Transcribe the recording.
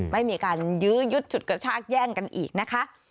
ไม่มีการยื้อยุดฉุดกระชากแย่งกันอีกนะคะ